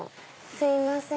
すいません。